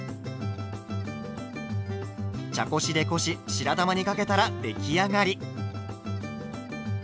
茶こしでこし白玉にかけたら出来上がり。